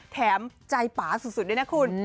แถมใจป่าสุดด้วยนะคุณ